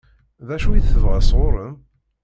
D acu i tebɣa sɣur-m?